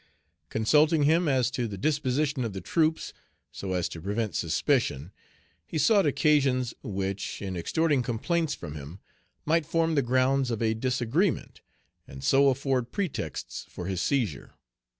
Consulting him as to the disposition of the troops, so as to prevent suspicion, he sought occasions which, in extorting complaints from him, might form the grounds of a disagreement, and so afford pretexts for his seizure.